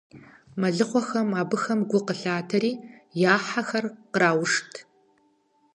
Мэлыхъуэхэм абыхэм гу къылъатэри, я хьэхэр къраушт.